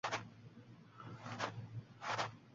“Rangli tushlar” ajib hislar uyg‘otadi